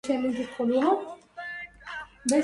اردد علي قراطيسي ممزقة